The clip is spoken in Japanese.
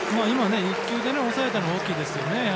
今、１球で抑えたのは大きいですよね。